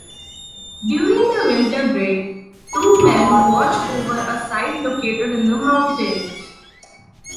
During the winter break, two men watch over a site located in the mountains.